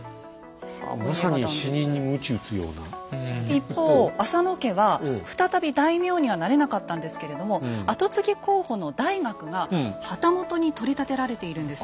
一方浅野家は再び大名にはなれなかったんですけれども跡継ぎ候補の大学が旗本に取り立てられているんです。